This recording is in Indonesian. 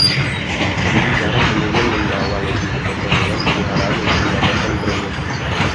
Bibi Sarah kemudian membawa Lady ke toko hewan peliharaan untuk mendapatkan brangus.